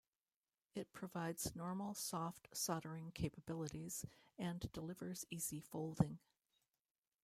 It provides normal soft soldering capabilities and delivers easy folding.